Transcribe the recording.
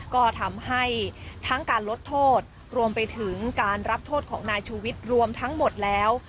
ก็ทำให้ทั้งการลดโทษรวมไปถึงการรับโทษของนายชูวิทย์รวมทั้งหมดแล้ว